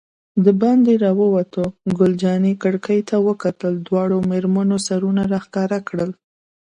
دباندې راووتو، ګل جانې کړکۍ ته وکتل، دواړو مېرمنو سرونه را ښکاره کړل.